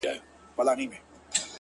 ها دی سلام يې وکړ؛